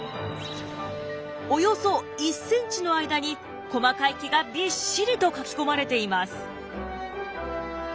およそ１ｃｍの間に細かい毛がびっしりと描き込まれています。